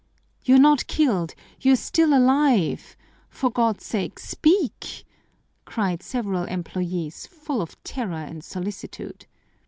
"You're not killed! You're still alive! For God's sake, speak!" cried several employees, full of terror and solicitude.